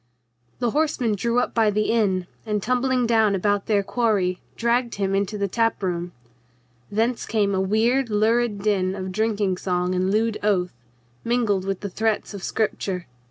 The horsemen drew up by the inn and, tumbling down about their quarry, dragged him into the tap room. Thence came a weird, lurid din of drinking song and lewd oath, mingled with the threats of scripture.